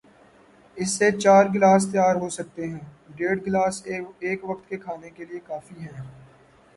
اس سے چار گلاس تیار ہوسکتے ہیں، ڈیڑھ گلاس ایک وقت کے کھانے کے لئے کافی ہیں۔